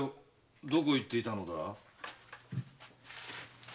どこへ行っていたのだ？